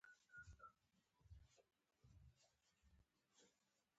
بوتل ته د دوړې ننوتو مخه نیول کېږي.